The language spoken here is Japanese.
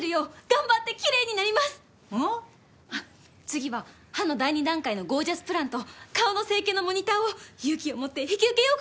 次は歯の第２段階のゴージャスプランと顔の整形のモニターを勇気を持って引き受けようかと。